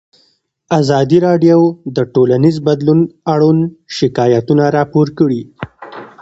ازادي راډیو د ټولنیز بدلون اړوند شکایتونه راپور کړي.